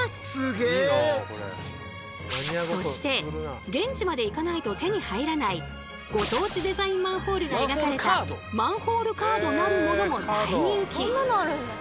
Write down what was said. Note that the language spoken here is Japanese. そして現地まで行かないと手に入らないご当地デザインマンホールが描かれたマンホールカードなるものも大人気。